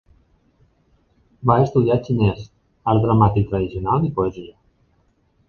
Va estudiar xinès, art dramàtic tradicional i poesia.